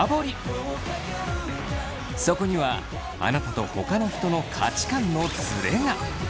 そこにはあなたとほかの人の価値観のズレが！